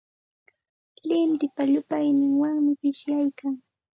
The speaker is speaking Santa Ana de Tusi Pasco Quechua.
Lintipa llupayninwanmi qishyaykan.